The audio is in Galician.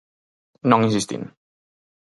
Non insistín.